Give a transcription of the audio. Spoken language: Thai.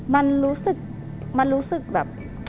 มันรู้สึกแบบ